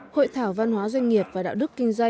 hội thảo văn hóa doanh nghiệp và đạo đức